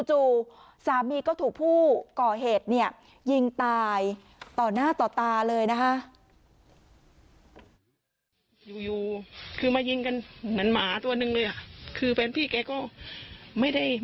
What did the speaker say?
จู่สามีก็ถูกผู้ก่อเหตุเนี่ยยิงตายต่อหน้าต่อตาเลยนะคะ